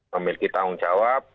memiliki tanggung jawab